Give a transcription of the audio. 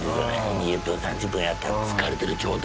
２０分３０分やって疲れてる状態